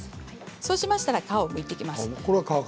そうしたら皮をむいていきます。